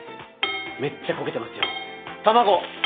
めっちゃ焦げてますよ卵！